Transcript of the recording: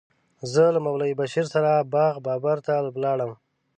زه له مولوي بشیر سره باغ بابر ته ولاړم.